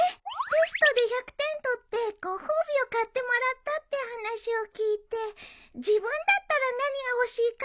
テストで１００点取ってご褒美を買ってもらったって話を聞いて自分だったら何が欲しいかって話してたの。